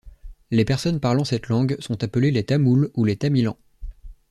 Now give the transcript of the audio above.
Les personnes parlant cette langue sont appelés les tamouls ou les tamilans.